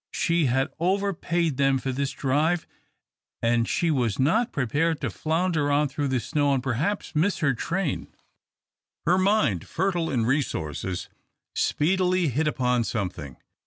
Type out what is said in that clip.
She had overpaid them for this drive, and she was not prepared to flounder on through the snow and perhaps miss her train. Her mind, fertile in resources, speedily hit upon something.